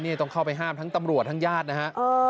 นี่ต้องเข้าไปห้ามทั้งตำรวจทั้งญาตินะฮะ